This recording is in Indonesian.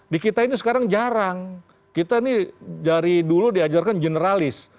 di kita ini sekarang jarang kita nih dari dulu diajarkan generalis